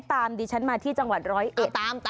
ตามดิฉันมาที่จังหวัดร้อยเอ็ด